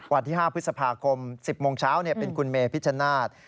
วันที่๕พฤษภาคม๑๐โมงเช้าเป็นคุณเมพิชชนาธิ์